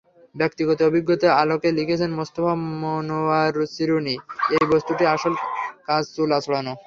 ব্যক্তিগত অভিজ্ঞতার আলোকে লিখেছেন মোস্তফা মনোয়ারচিরুনিএই বস্তুটির আসল কাজ চুল আঁচড়ানো।